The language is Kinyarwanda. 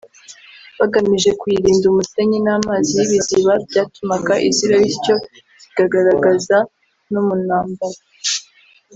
bagamije kuyirinda umusenyi n’amazi y’ibiziba byatumaga iziba bityo kigaragaza no mu ntambara